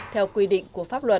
theo quy định của pháp luật